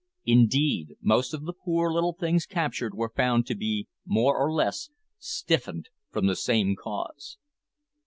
Indeed, most of the poor little things captured were found to be more or less stiffened from the same cause.